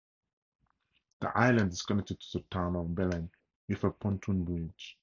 The island is connected to the town of Belene with a pontoon bridge.